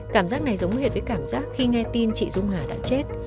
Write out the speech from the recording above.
cảm giác này giống hệt với cảm giác khi nghe tin chị dung hà đã chết